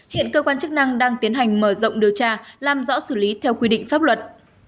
hiện cơ quan chức năng đang tiến hành mở rộng điều tra làm rõ xử lý theo quy định pháp luật